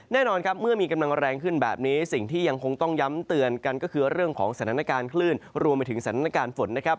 แน่นอนครับเมื่อมีกำลังแรงขึ้นแบบนี้สิ่งที่ยังคงต้องย้ำเตือนกันก็คือเรื่องของสถานการณ์คลื่นรวมไปถึงสถานการณ์ฝนนะครับ